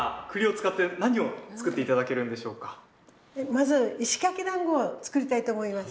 まず石垣だんごを作りたいと思います。